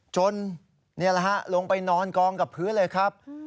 นี่แหละฮะลงไปนอนกองกับพื้นเลยครับ